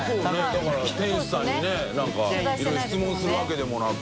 だから店主さんにね覆鵑いろいろ質問するわけでもなく。